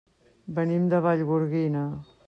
Venim de Vallgorguina.